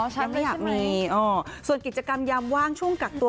อ๋อชาวนี้คนนี้อ่อส่วนกิจกรรมยามว่าขึ้นติดตัว